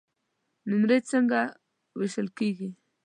نمرې څنګه وېشل کیږي؟